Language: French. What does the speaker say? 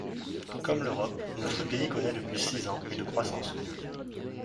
Comme l’Europe, notre pays connaît depuis six ans une croissance nulle.